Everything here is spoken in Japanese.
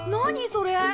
それ。